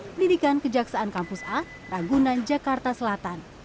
pendidikan kejaksaan kampus a ragunan jakarta selatan